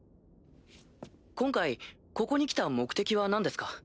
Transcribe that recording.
今回ここに来た目的は何ですか？